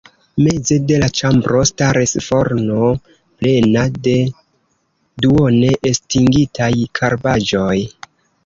Meze de la ĉambro staris forno plena de duone estingitaj karbaĵoj.